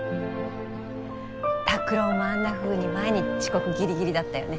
拓郎もあんなふうに毎日遅刻ギリギリだったよね。